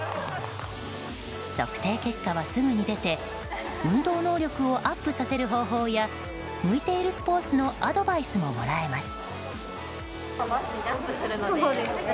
測定結果は、すぐに出て運動能力をアップさせる方法や向いているスポーツのアドバイスももらいます。